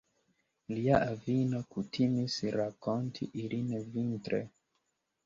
Lia avino kutimis rakonti ilin vintre.